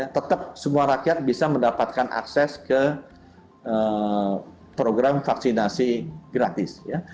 tetap semua rakyat bisa mendapatkan akses ke program vaksinasi gratis